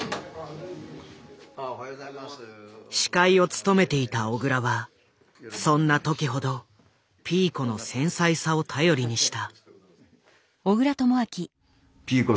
司会を務めていた小倉はそんな時ほどピーコの繊細さを頼りにした。